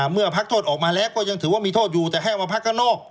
เมื่อพักโทษออกมาแล้วก็ยังถือว่ามีโทษอยู่แต่ให้มาพักข้างนอก